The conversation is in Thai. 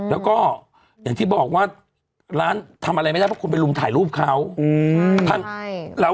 แล้วก็อย่างที่บอกว่าร้านทำอะไรไม่ได้เพราะคนไปลุมถ่ายรูปเขา